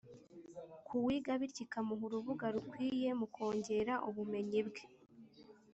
ku wiga bityo ikamuha urubuga rukwiye mu kongera ubumenyi bwe